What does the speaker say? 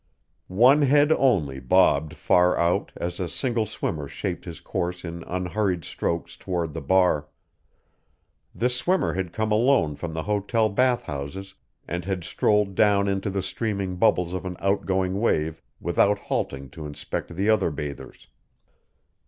One head only bobbed far out as a single swimmer shaped his course in unhurried strokes toward the bar. This swimmer had come alone from the hotel bath houses and had strolled down into the streaming bubbles of an outgoing wave without halting to inspect the other bathers.